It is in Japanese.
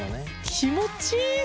気持ちいい！